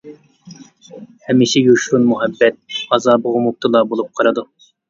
ھەمىشە يوشۇرۇن مۇھەببەت ئازابىغا مۇپتىلا بولۇپ قالىدۇ.